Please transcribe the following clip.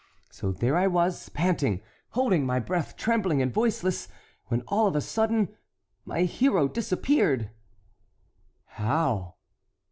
So there I was panting, holding my breath, trembling, and voiceless, when all of a sudden my hero disappeared." "How?"